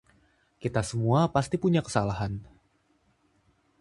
Kita semua pasti punya kesalahan.